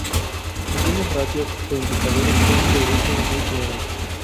Algunos ratios o indicadores son de uso muy general.